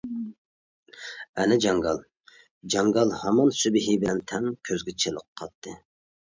ئەنە جاڭگال، جاڭگال ھامان سۈبھى بىلەن تەڭ كۆزگە چېلىقاتتى.